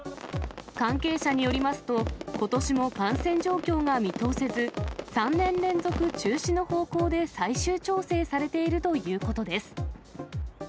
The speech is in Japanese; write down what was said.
関係者によりますと、ことしも感染状況が見通せず、３年連続中止の方向で最終調整されているということです。